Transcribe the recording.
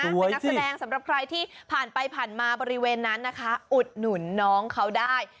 เป็นนักแสดงสำหรับใครที่ผ่านไปผ่านมาบริเวณนั้นนะคะอุดหนุนน้องเขาได้